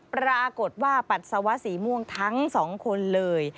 ปรากฏว่าปัสสาวะสีม่วงทั้ง๒คนเลย